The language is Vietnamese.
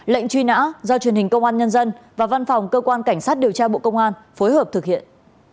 lệnh truy nã do truyền hình công an nhân dân và văn phòng cơ quan cảnh sát điều tra bộ công an phối hợp thực hiện